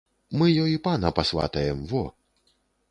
Мы ёй пана пасватаем, во!